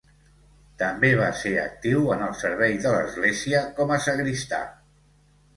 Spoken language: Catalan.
També va ser actiu en el servei de l'església com a sagristà.